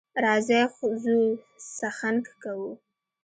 راځئ ځو څخنک کوو.